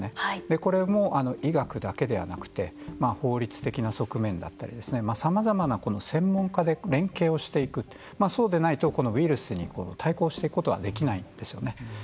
これも医学だけではなくて法律的な側面だったりさまざまな専門家で連携をしていくそうでないとウイルスに対抗していくことはできないんですよね。